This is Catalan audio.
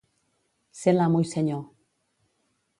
Ser l'amo i senyor.